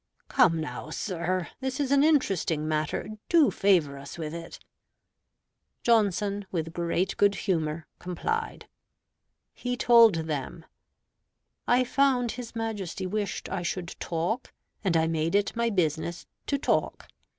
"Come now, sir, this is an interesting matter; do favor us with it." Johnson, with great good humor, complied. He told them: "I found his Majesty wished I should talk, and I made it my business to talk.